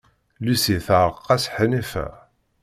Lucy teɛreq-as Ḥnifa.